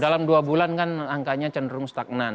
dalam dua bulan kan angkanya cenderung stagnan